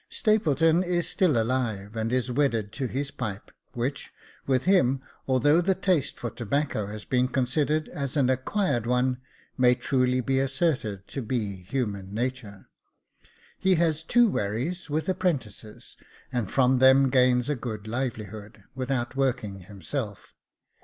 Stapleton is still alive, and is wedded to his pipe, which, with him, although the taste for tobacco has been considered as an acquired one, may truly be asserted to be human nature. He has two wherries with apprentices, and from them gains a good livelihood, without working himself.